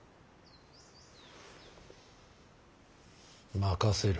任せる。